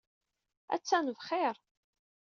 Ha-t-an bxir.